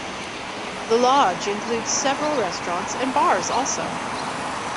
The Lodge includes several restaurants and bars also.